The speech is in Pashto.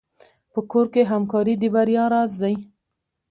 په کور کې همکاري د بریا راز دی.